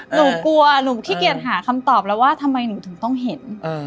หนูกลัวหนูขี้เกียจหาคำตอบแล้วว่าทำไมหนูถึงต้องเห็น